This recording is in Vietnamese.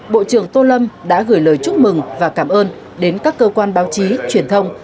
bộ trưởng tô lâm đã gửi lời chúc mừng và cảm ơn đến các cơ quan báo chí truyền thông